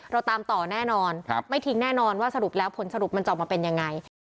เราตามต่อแน่นอนไม่ทิ้งแน่นอนว่าสรุปแล้วผลสรุปมันจะออกมาเป็นยังไง